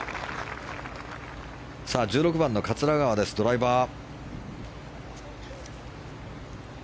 １６番の桂川、ドライバー。